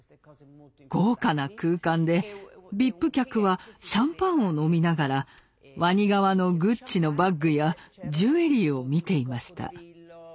豪華な空間でＶＩＰ客はシャンパンを飲みながらわに皮のグッチのバッグやジュエリーを見ていました。